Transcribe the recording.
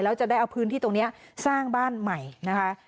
แล้วจะได้เอาพื้นที่ตรงนี้สร้างบ้านใหม่นะคะ